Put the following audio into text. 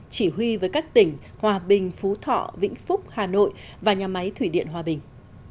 chỉ huy với các tỉnh hòa bình phú thọ vĩnh phúc hà nội và nhà máy thủy điện hòa bình